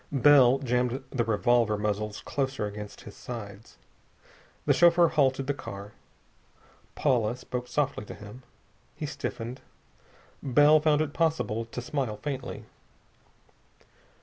Bell jammed the revolver muzzles closer against his sides. The chauffeur halted the car. Paula spoke softly to him. He stiffened. Bell found it possible to smile faintly.